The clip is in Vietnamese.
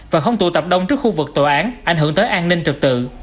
và không tụ tập đông trước khu vực tòa án ảnh hưởng tới an ninh trực tự